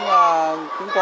cũng có hình thức của các em